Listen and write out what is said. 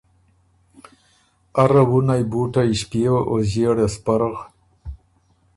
اره وُنئ بُوټئ ݭپيېوه او ݫيېړه سپرغ